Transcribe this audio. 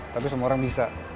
tapi semua orang bisa